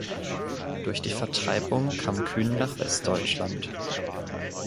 Durch die Vertreibung kam Kühn nach Westdeutschland.